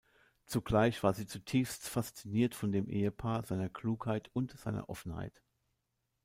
Zugleich war sie zutiefst fasziniert von dem Ehepaar, seiner Klugheit und seiner Offenheit.